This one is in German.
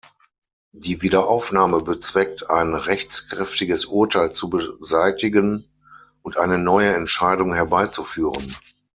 Die Wiederaufnahme bezweckt, ein rechtskräftiges Urteil zu beseitigen und eine neue Entscheidung herbeizuführen.